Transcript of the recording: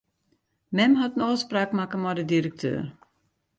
Mem hat in ôfspraak makke mei de direkteur.